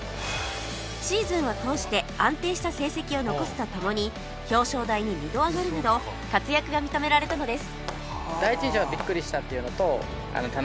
シーズンを通して安定した成績を残すと共に表彰台に２度上がるなど活躍が認められたのです